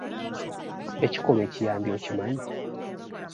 Ekikolwa ekiyambi okimanyi?